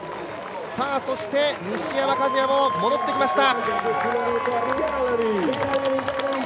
さあ、そして西山和弥も戻ってきました。